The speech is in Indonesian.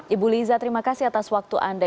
ibu liza terima kasih atas waktu anda